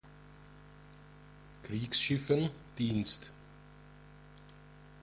Kriegsschiffen Dienst.